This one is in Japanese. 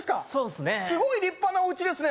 すごい立派なおうちですね